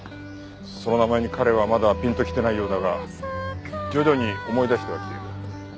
その名前に彼はまだピンときてないようだが徐々に思い出してはきている。